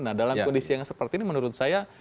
nah dalam kondisi yang seperti ini menurut saya